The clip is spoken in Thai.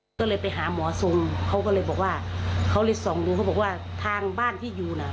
ก็เลยไปหาหมอทรงเขาก็เลยบอกว่าเขาเลยส่องดูเขาบอกว่าทางบ้านที่อยู่น่ะ